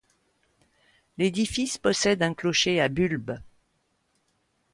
L'édifice possède un clocher à bulbe.